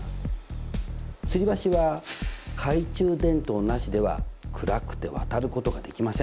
つり橋は懐中電灯なしでは暗くて渡ることができません。